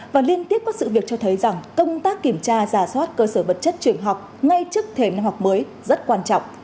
và liên tiếp có sự việc cho thấy rằng công tác kiểm tra giả soát cơ sở vật chất trường học ngay trước thềm năm học mới rất quan trọng